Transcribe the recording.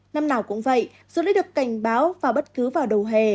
năm nào cũng vậy dù lấy được cảnh báo vào bất cứ vào đầu hè